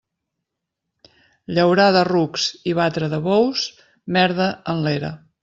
Llaurar de rucs i batre de bous, merda en l'era.